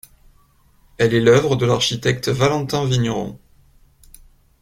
Elle est l'œuvre de l'architecte Valentin Vigneron.